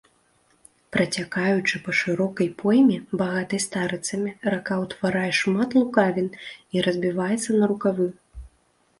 Працякаючы па шырокай пойме, багатай старыцамі, рака ўтварае шмат лукавін і разбіваецца на рукавы.